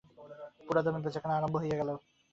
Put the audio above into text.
পুরাদমে বেচাকেনা আরম্ভ হইয়া গেল।